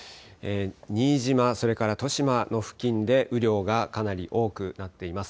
新島、それから利島の付近で雨量がかなり多くなっています。